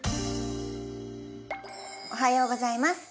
おはようございます。